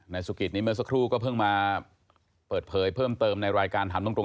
สุกิตนี้เมื่อสักครู่ก็เพิ่งมาเปิดเผยเพิ่มเติมในรายการถามตรง